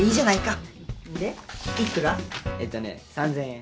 ３，０００円。